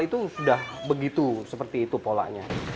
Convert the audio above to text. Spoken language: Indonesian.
itu sudah begitu seperti itu polanya